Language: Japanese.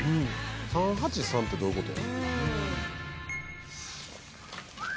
３８３ってどういう事や？